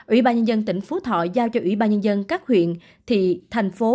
ủy ban nhân dân tỉnh phú thọ giao cho ủy ban nhân dân các huyện thị thành phố